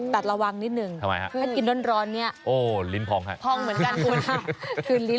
ตัดระวังนิดหนึ่งทำไมฮะถ้ากินร้อนร้อนเนี้ยโอ้ลิ้นพองฮะพองเหมือนกันคุณ